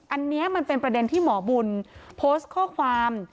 อันนี้มันเป็นประเด็นที่หมอบุญโพสต์ข้อความ